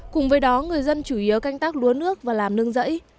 cùng với đó người dân chủ yếu canh tác lúa nước và làm nương rẫy